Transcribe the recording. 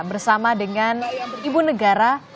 bersama dengan ibu negara